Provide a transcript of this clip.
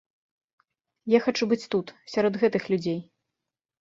Я хачу быць тут, сярод гэтых людзей.